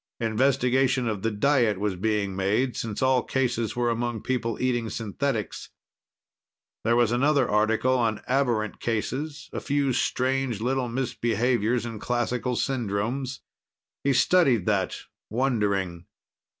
Investigation of the diet was being made, since all cases were among people eating synthetics. There was another article on aberrant cases a few strange little misbehaviors in classical syndromes. He studied that, wondering.